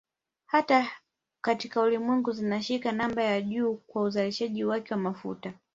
Hata katika Ulimwengu zinashika namba ya juu kwa uzalishaji wake wa mafuta